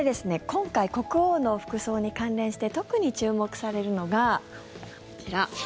今回、国王の服装に関連して特に注目されるのがこちら。